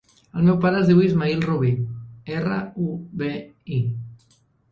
El meu pare es diu Ismaïl Rubi: erra, u, be, i.